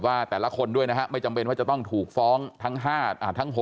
แต่ละคนด้วยนะฮะไม่จำเป็นว่าจะต้องถูกฟ้องทั้ง๕ทั้ง๖